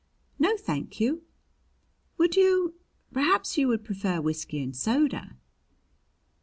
"No, thank you." "Would you perhaps you would prefer whiskey and soda."